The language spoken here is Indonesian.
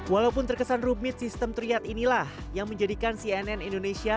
walaupun terkesan rumit sistem triat inilah yang menjadikan cnn indonesia